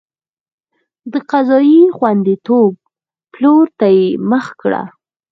د قضایي خوندیتوب پلور ته یې مخه کړه.